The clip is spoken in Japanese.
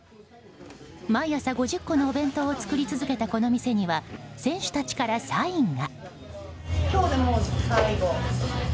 毎朝５０個のお弁当を作り続けたこの店には選手たちからサインが。